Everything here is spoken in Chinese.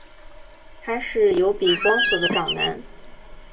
他是由比光索的长男。